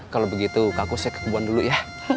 kalau begitu kakusnya ke kebuan dulu ya